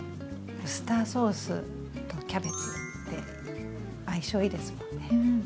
ウスターソースとキャベツって相性いいですもんね。